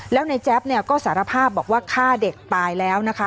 แล้วในแจ๊บเนี่ยก็สารภาพบอกว่าฆ่าเด็กตายแล้วนะคะ